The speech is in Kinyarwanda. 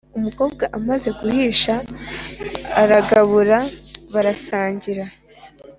Umukobwa amaze guhisha aragabura barasangira